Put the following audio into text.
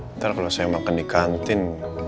nanti kalau saya makan di kantin